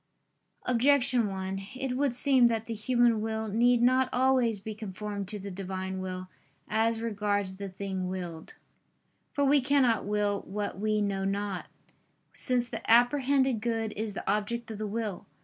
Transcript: Objection 1: It would seem that the human will need not always be conformed to the Divine will, as regards the thing willed. For we cannot will what we know not: since the apprehended good is the object of the will.